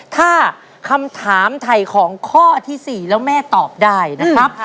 ถ้าคำถามไถ่ของข้อที่๔แล้วแม่ตอบได้นะครับ